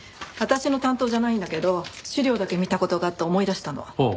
私の担当じゃないんだけど資料だけ見た事があって思い出したの。